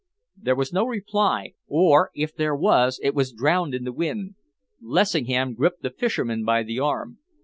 There was no reply or, if there was, it was drowned in the wind. Lessingham gripped the fisherman by the arm.